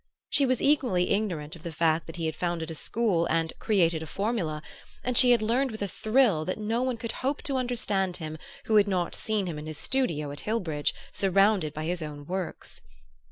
She was equally ignorant of the fact that he had founded a school and "created a formula"; and she learned with a thrill that no one could hope to understand him who had not seen him in his studio at Hillbridge, surrounded by his own works.